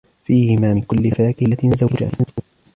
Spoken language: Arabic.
فِيهِمَا مِنْ كُلِّ فَاكِهَةٍ زَوْجَانِ